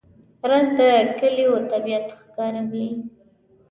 رس د کلیو طبیعت ښکاروي